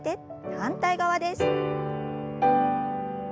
反対側です。